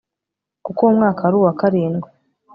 kuko uwo mwaka wari uwa karindwi